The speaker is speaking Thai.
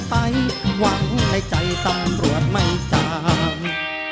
ตั้งใจสำรวจไม่จ้าง